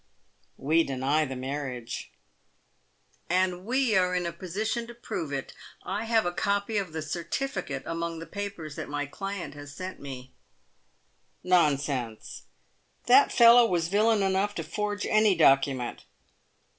" We deny the marriage !"" And we are in a position to prove it. I have a copy of the certificate among the papers that my client has sent me." " Nonsense ! that fellow was villain enough to forge any document."